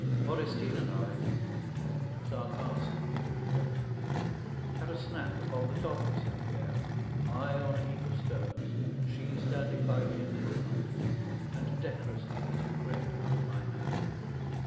Modestine and I it was our last meal together had a snack upon the top of St. Pierre, I on a heap of stones, she standing by me in the moonlight and decorously eating bread out of my hand.